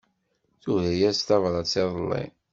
Tura-yas tabrat iḍelli.